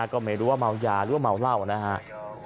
ก็ไม่รู้ว่าเมายาหรือว่าเมาเหล้านะครับ